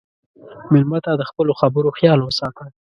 مېلمه ته د خپلو خبرو خیال وساته.